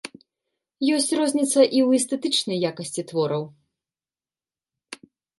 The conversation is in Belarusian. Ёсць розніца і ў эстэтычнай якасці твораў.